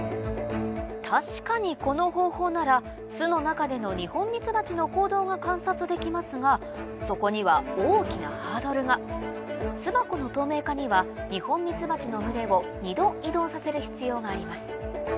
確かにこの方法なら巣の中でのニホンミツバチの行動が観察できますがそこには巣箱の透明化にはニホンミツバチの群れを２度移動させる必要があります